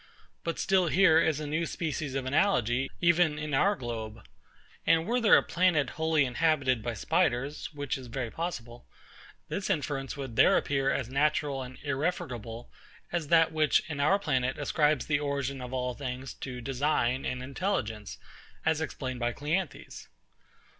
But still here is a new species of analogy, even in our globe. And were there a planet wholly inhabited by spiders, (which is very possible,) this inference would there appear as natural and irrefragable as that which in our planet ascribes the origin of all things to design and intelligence, as explained by CLEANTHES.